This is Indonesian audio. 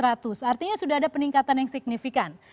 artinya sudah ada peningkatan yang signifikan